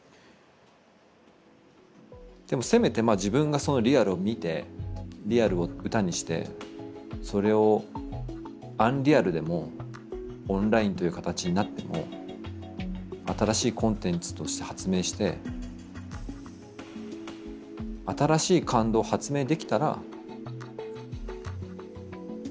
でもせめて自分がそのリアルを見てリアルを歌にしてそれをアンリアルでもオンラインという形になっても新しいコンテンツとして発明して新しい感動を発明できたら。